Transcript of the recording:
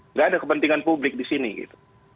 nggak ada kepentingan publik di sini gitu